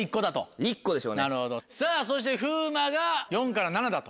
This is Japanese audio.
さぁそして風磨が「４７」だと。